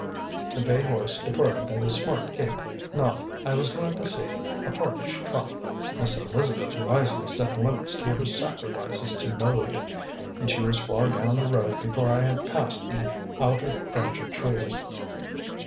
The bay horse departed at a smart gait, not, I was glad to see, a parkish trot Miss Elizabeth wisely set limits to her sacrifices to Mode and she was far down the road before I had passed the outer fringe of trees.